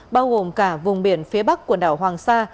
bao gồm cả vùng biển phía bắc quần đảo hoàng sa